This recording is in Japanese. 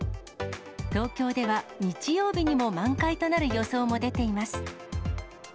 東京では日曜日にも満開となる予想も出ています。